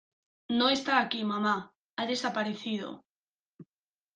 No está aquí, mamá. Ha desaparecido .